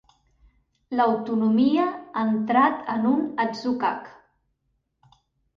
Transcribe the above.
L'autonomia ha entrat en un atzucac.